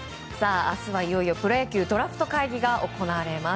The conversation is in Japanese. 明日はいよいよプロ野球ドラフト会議が行われます。